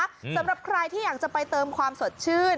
สำหรับใครที่อยากจะไปเติมความสดชื่น